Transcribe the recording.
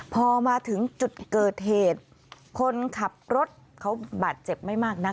พอมาถึงจุดเกิดเหตุคนขับรถเขาบาดเจ็บไม่มากนัก